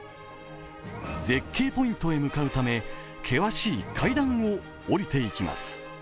絶景ポイントへ向かうため、険しい階段を降りていきます。